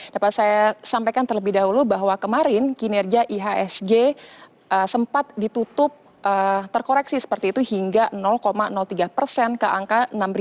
dapat saya sampaikan terlebih dahulu bahwa kemarin kinerja ihsg sempat ditutup terkoreksi seperti itu hingga tiga ke angka enam delapan ratus lima puluh empat tujuh puluh tujuh